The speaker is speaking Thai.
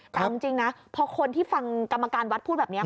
แต่เอาจริงนะพอคนที่ฟังกรรมการวัดพูดแบบนี้